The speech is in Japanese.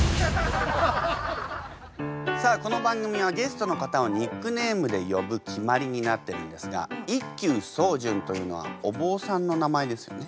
さあこの番組はゲストの方をニックネームで呼ぶ決まりになってるんですが一休宗純というのはお坊さんの名前ですよね。